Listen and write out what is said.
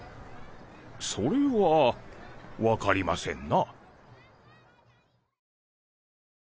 それは分かりませんな。